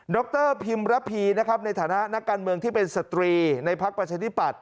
ดรพิมรพีในฐานะการเมืองที่เป็นสตรีในพักประชาธิบัติ